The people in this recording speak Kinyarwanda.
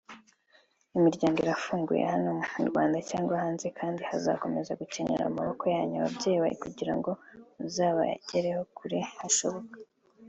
imiryango irafunguye hano mu Rwanda cyangwa hanze kandi bazakomeza gukenera amaboko yanyu (ababyeyi) kugira ngo muzabageze kure hashoboka